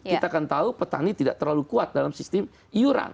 kita akan tahu petani tidak terlalu kuat dalam sistem iuran